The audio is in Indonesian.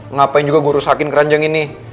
ngapain juga gue rusakin keranjang ini